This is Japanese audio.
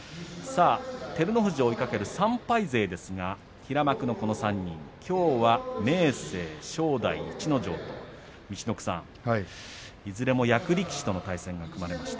照ノ富士を追いかける３敗勢ですが平幕の３人きょうは、明生、正代、逸ノ城といずれも役力士との対戦が組まれました。